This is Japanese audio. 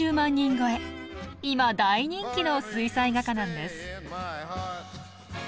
今大人気の水彩画家なんです。